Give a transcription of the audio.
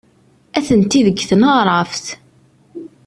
Atenti deg tneɣraft.